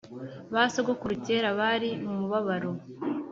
basogokuru kera bari mumubabaro